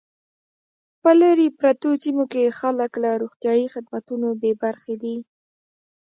په لري پرتو سیمو کې خلک له روغتیايي خدمتونو بې برخې دي